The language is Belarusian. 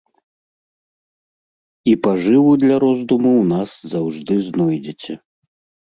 І пажыву для роздуму ў нас заўжды знойдзеце.